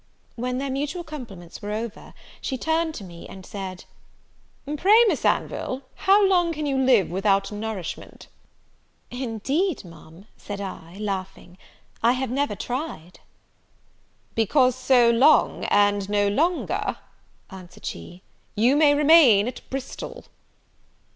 When their mutual compliments were over, she turned to me, and said, "Pray, Miss Anville, how long can you live without nourishment?" "Indeed, Ma'am," said I, laughing, "I have never tried." "Because so long, and no longer," answered she, "you may remain at Bristol."